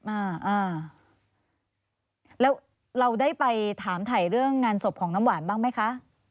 อ่าอ่าแล้วเราได้ไปถามถ่ายเรื่องงานศพของน้ำหวานบ้างไหมคะ